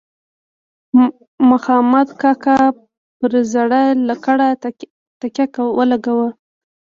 مخامد کاکا پر زیړه لکړه تکیه ولګوه.